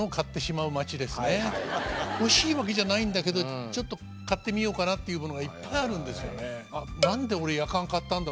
欲しいわけじゃないんだけどちょっと買ってみようかなっていうものがいっぱいあるんですよね。